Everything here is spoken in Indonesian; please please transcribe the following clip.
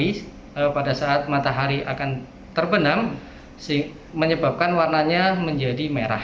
pada saat matahari akan terbenam menyebabkan warnanya menjadi merah